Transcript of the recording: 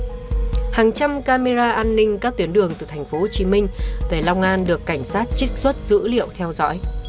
hàng trăm camera an ninh các tuyến đường từ tp hcm về long an được cảnh sát trích xuất dữ liệu theo dõi